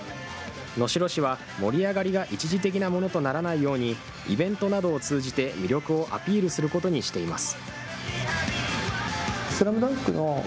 能代市は、盛り上がりが一時的なものとならないように、イベントなどを通じて魅力をアピールすることにしています。